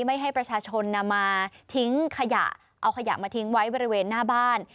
ไม่ให้ประชาชนนำมาทิ้งขยะเอาขยะมาทิ้งไว้บริเวณหน้าบ้าน